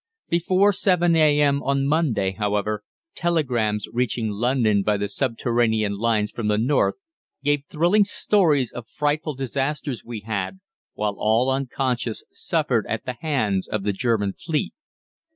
Before 7 a.m. on Monday, however, telegrams reaching London by the subterranean lines from the north gave thrilling stories of frightful disasters we had, while all unconscious, suffered at the hands of the German fleet.